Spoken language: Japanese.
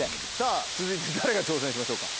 続いて誰が挑戦しましょうか？